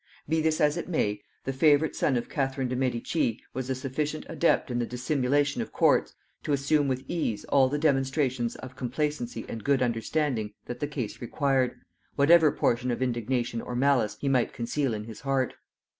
Be this as it may, the favorite son of Catherine de' Medici was a sufficient adept in the dissimulation of courts to assume with ease all the demonstrations of complacency and good understanding that the case required, whatever portion of indignation or malice he might conceal in his heart.